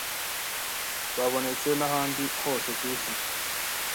babonetse n'ahandi hose kwisi